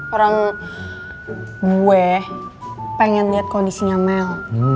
orang gue pengen lihat kondisinya mel